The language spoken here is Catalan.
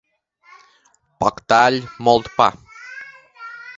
Poc tall, molt pa.